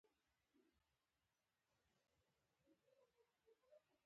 مصنوعي ځیرکتیا د فکري تولید سرعت لوړوي.